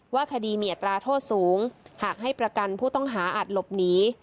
คดีมีอัตราโทษสูงหากให้ประกันผู้ต้องหาอาจหลบหนี